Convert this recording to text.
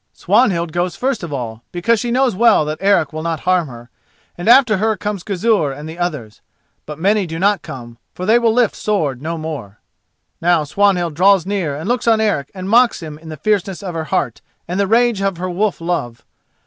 Swanhild goes first of all, because she knows well that Eric will not harm her, and after her come Gizur and the others. But many do not come, for they will lift sword no more. Now Swanhild draws near and looks on Eric and mocks him in the fierceness of her heart and the rage of her wolf love.